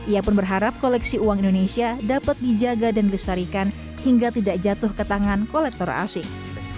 ia pun berharap koleksi uang indonesia dapat dijaga dan disarikan hingga tidak jatuh ke tangan kolektor asing